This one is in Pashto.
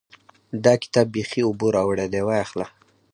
دا کتاب بېخي اوبو راوړی دی؛ وايې خله.